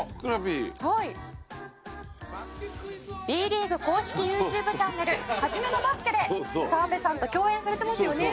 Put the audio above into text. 「Ｂリーグ公式ＹｏｕＴｕｂｅチャンネル“はじめのバスケ”で澤部さんと共演されてますよね」